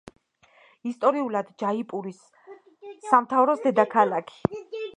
ისტორიულად ჯაიპურის სამთავროს დედაქალაქი.